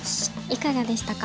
いかがでしたか？